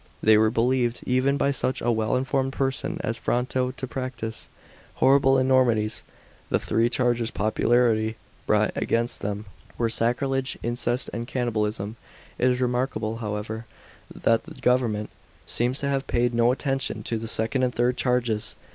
They were believed, even by such a well informed person as Fronto, to p»actise horrible enormities. The three charges popularly brought ayainst them were sacrilege, incest, and cannibalism. It is remarkable, however, that the government seems to have paid no attention to the second and third charges.